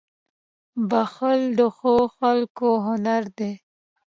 • بښل د ښو خلکو هنر دی.